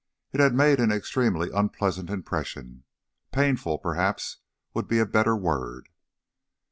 It had made an extremely unpleasant impression; painful perhaps would be a better word.